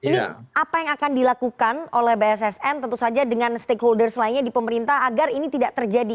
ini apa yang akan dilakukan oleh bssn tentu saja dengan stakeholders lainnya di pemerintah agar ini tidak terjadi